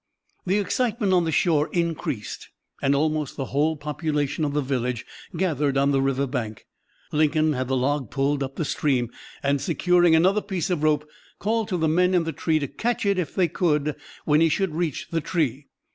"The excitement on the shore increased, and almost the whole population of the village gathered on the river bank. Lincoln had the log pulled up the stream, and, securing another piece of rope, called to the men in the tree to catch it if they could when he should reach the tree.